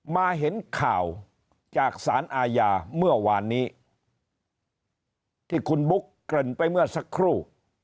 มาเห็นข่าวจากสารอาญาเมื่อวานนี้ที่คุณบุ๊กเกริ่นไปเมื่อสักครู่